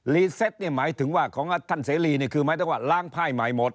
เซตนี่หมายถึงว่าของท่านเสรีนี่คือหมายถึงว่าล้างไพ่ใหม่หมด